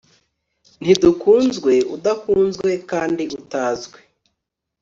Ntidukunzwe udakunzwe kandi utazwi